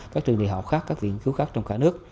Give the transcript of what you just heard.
các trường đại học khác các viện nghiên cứu khác trong cả nước